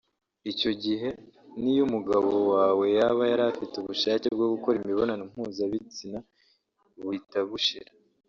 icyo gihe niyo umugabo wawe yaba yarafite ubushake bwo gukora imibonano mpuzabitsina buhita bushira